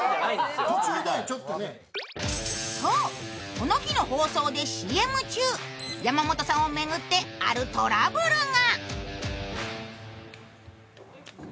この日の放送でＣＭ中山本さんを巡ってあるトラブルが。